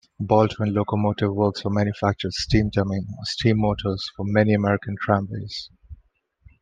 Baldwin Locomotive Works manufactured Steam Dummy or Steam Motors for many American tramways.